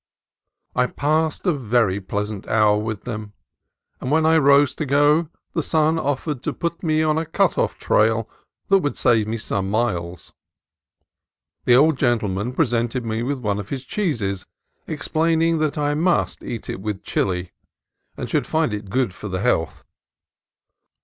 I passed a very pleasant hour with them, and when I rose to go the son offered to put me on a cut off trail that would save me some miles. The old gentleman pre sented me with one of his cheeses, explaining that I must eat it with chili, and should find it good for the health.